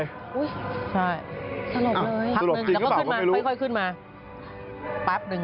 อุ๊ยสลบเลยสลบจริงหรือเปล่าก็ไม่รู้ค่อยขึ้นมาปั๊บหนึ่ง